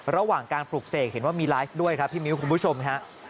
ระหว่างการปลูกเสกเห็นว่ามีไลฟ์ด้วยครับพี่มิ้วคุณผู้ชมฮะ